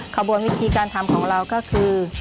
ขบวนวิธีการทำของเราก็คือ